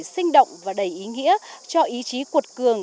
sinh động và đầy ý nghĩa cho ý chí cuột cường